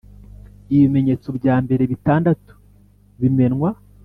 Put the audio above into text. Ibimenyetso bya mbere bitandatu bimenwa